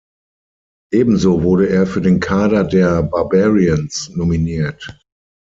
Ebenso wurde er für den Kader der Barbarians nominiert.